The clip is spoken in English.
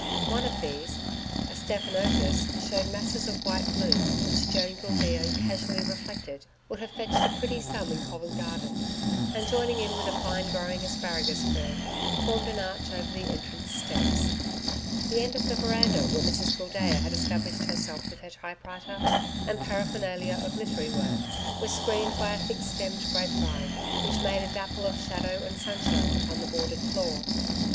One of these, a stephanotis, showed masses of white bloom, which Joan Gildea casually reflected would have fetched a pretty sum in Covent Garden, and, joining in with a fine growing asparagus fern, formed an arch over the entrance steps. The end of the veranda, where Mrs Gildea had established herself with her type writer and paraphernalia of literary work, was screened by a thick stemmed grape vine, which made a dapple of shadow and sunshine upon the boarded floor.